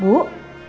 kau mau ke tempat apa